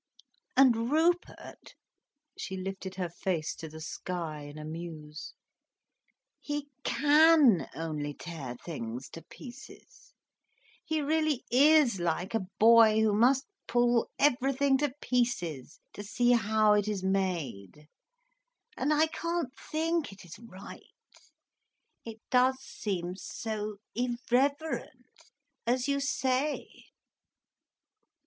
And Rupert—" she lifted her face to the sky, in a muse—"he can only tear things to pieces. He really is like a boy who must pull everything to pieces to see how it is made. And I can't think it is right—it does seem so irreverent, as you say."